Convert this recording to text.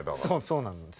そうなんです。